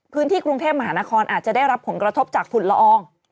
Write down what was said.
พื้นที่กรุงเทพมหานครอาจจะได้รับผลกระทบจากฝุ่นละออง